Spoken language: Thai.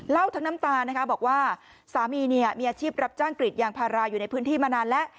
ทั้งน้ำตานะคะบอกว่าสามีมีอาชีพรับจ้างกรีดยางพาราอยู่ในพื้นที่มานานแล้ว